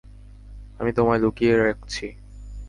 আমি তোমায় লুকিয়ে রাখছি।